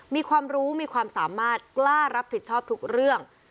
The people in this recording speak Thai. มีความรู้มีความสามารถกล้ารับผิดชอบทุกเรื่อง